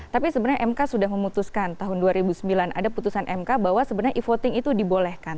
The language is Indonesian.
tapi sebenarnya mk sudah memutuskan tahun dua ribu sembilan ada putusan mk bahwa sebenarnya e voting itu dibolehkan